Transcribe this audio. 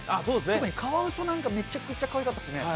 特にカワウソなんか、めちゃくちゃかわいかったですね。